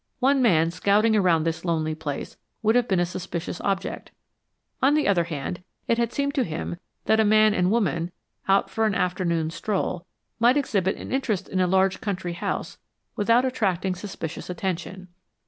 One man scouting around this lonely place would have been a suspicious object. On the other hand, it had seemed to him that a man and woman, out for an afternoon stroll, might exhibit an interest in a large country house without attracting suspicious attention.